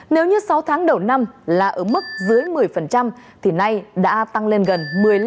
nếu như sáu tháng đầu năm là ở mức dưới một mươi thì nay đã tăng lên gần một mươi năm